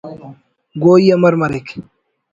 گوئی امر مریک